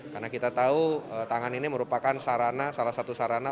karena kita tahu tangan ini merupakan salah satu sarana